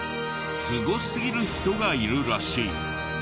すごすぎる人がいるらしい。